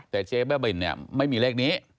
แต่เจ๊บ้าบินเนี่ยไม่มีเลขนี้